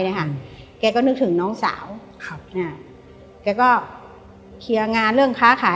เนี้ยค่ะแกก็นึกถึงน้องสาวครับอ่าแกก็เคลียร์งานเรื่องค้าขาย